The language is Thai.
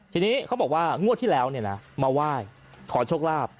ทีนี้เขาบอกว่างวดที่แล้วมาไหว้ขอโชคลาภ